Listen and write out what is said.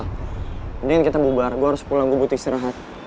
mendingan kita bubar gue harus pulang butuh istirahat